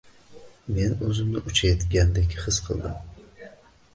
Men o`zimni uchayotgandek his qildim